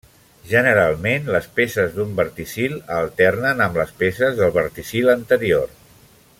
Generalment les peces d'un verticil alternen amb les peces del verticil anterior.